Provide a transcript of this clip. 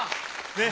ねっ。